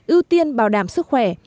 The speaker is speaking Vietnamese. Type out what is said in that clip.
ưu tiên bảo đảm sức khỏe